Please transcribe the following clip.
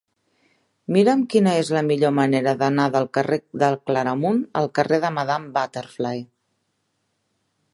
Mira'm quina és la millor manera d'anar del carrer de Claramunt al carrer de Madame Butterfly.